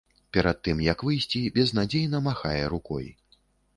Перад тым як выйсці, безнадзейна махае рукой.